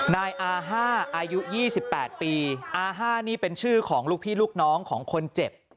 นายอาห้าอายุ๒๘ปีอาห้านี่เป็นชื่อของลูกพี่ลูกน้องของคนเจ็บ